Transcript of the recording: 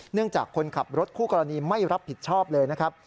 จากคนขับรถคู่กรณีไม่รับผิดชอบเลยนะครับ